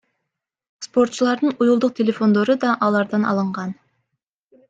Спортчулардын уюлдук телефондору да алардан алынган.